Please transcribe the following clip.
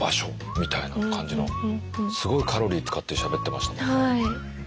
すごいカロリー使ってしゃべってましたもんね。